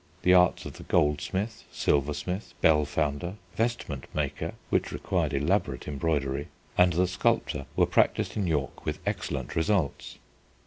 The arts of the goldsmith, silversmith, bell founder, vestment maker (which required elaborate embroidery), and the sculptor, were practised in York with excellent results.